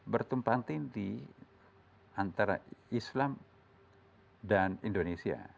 bertumpang tindih antara islam dan indonesia